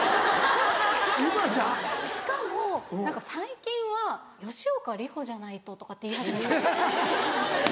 しかも何か最近は「吉岡里帆じゃないと」とかって言い始めたんですよ。